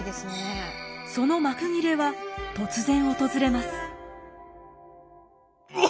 その幕切れは突然訪れます。